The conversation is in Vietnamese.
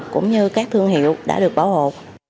cũng như các thương hiệu đã được bảo hộ